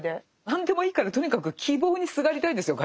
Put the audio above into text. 何でもいいからとにかく希望にすがりたいんですよ